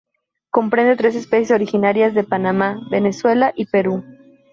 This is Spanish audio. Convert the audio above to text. Comprende tres especies originarias de Panamá, Venezuela y Perú.